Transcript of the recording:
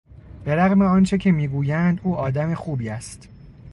به رغم آنچه که میگویند او آدم خوبی است.